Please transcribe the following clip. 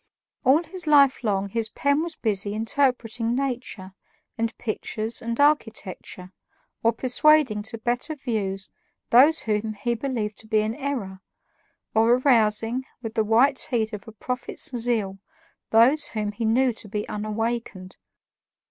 All his life long his pen was busy interpreting nature and pictures and architecture, or persuading to better views those whom he believed to be in error, or arousing, with the white heat of a prophet's zeal, those whom he knew to be unawakened.